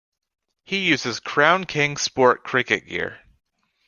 He uses Crown King Sport cricket gear.